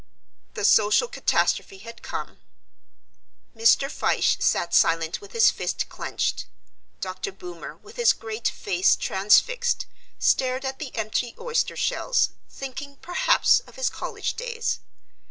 The social catastrophe had come. Mr. Fyshe sat silent with his fist clenched. Dr. Boomer, with his great face transfixed, stared at the empty oyster shells, thinking perhaps of his college days.